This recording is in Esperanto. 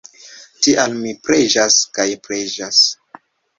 Tial mi preĝas kaj preĝas!